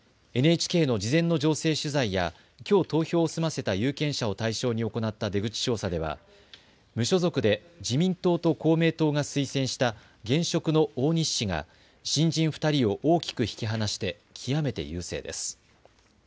ＮＨＫの事前の情勢取材やきょう投票を済ませた有権者を対象に行った出口調査では無所属で自民党と公明党が推薦した現職の大西氏が新人２人を大きく引き離して極めて優勢です。